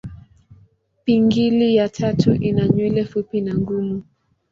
Pingili ya tatu ina nywele fupi na ngumu.